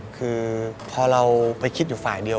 คือพอเราไปคิดอยู่ฝ่ายเดียว